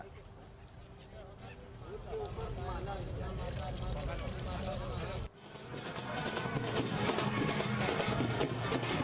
selama ini di indonesia